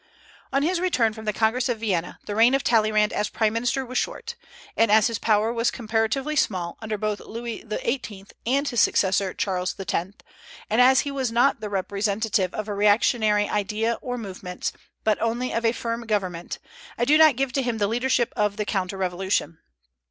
On his return from the Congress of Vienna, the reign of Talleyrand as prime minister was short; and as his power was comparatively small under both Louis XVIII. and his successor Charles X., and as he was not the representative of reactionary ideas or movements, but only of a firm government, I do not give to him the leadership of the counter revolution.